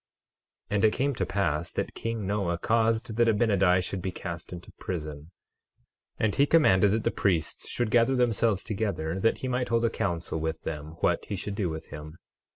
12:17 And it came to pass that king Noah caused that Abinadi should be cast into prison; and he commanded that the priests should gather themselves together that he might hold a council with them what he should do with him.